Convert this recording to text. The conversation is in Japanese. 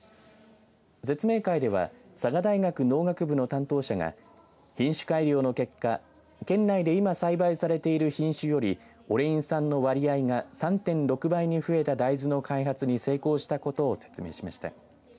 説明会では佐賀大学農学部の担当者が品種改良の結果県内で今栽培されている品種よりオレイン酸の割合が３．６倍に増えた大豆の開発に成功したことを説明しました。